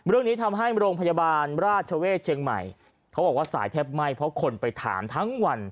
เรื่องนี้ทำให้โรงพยาบาลราชเวศเชียงใหม่เขาบอกว่าสายแทบไหม้เพราะคนไปถามทั้งวัน